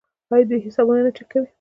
آیا دوی حسابونه نه چک کوي؟